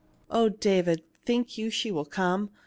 Oh, David, think you she will come